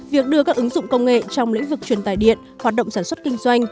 việc đưa các ứng dụng công nghệ trong lĩnh vực truyền tài điện hoạt động sản xuất kinh doanh